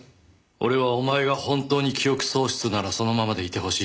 俺はお前が本当に記憶喪失ならそのままでいてほしいと思ってる。